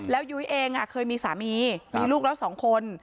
แล้วยุ้ยเองเคยมีสามีมีลูกแล้ว๒คน